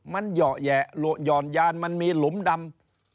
มันเหยาะแหยะหย่อนยานมันมีหลุมดำ